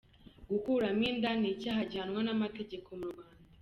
Gukuramo inda ni icyaha gihanwa n’amategeko mu Rwanda